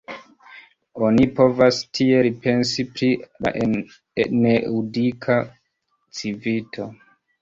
Oni povas tiel pensi pri la needukita civito.